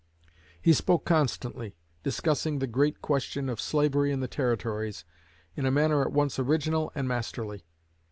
He spoke constantly, discussing the great question of "slavery in the territories" in a manner at once original and masterly.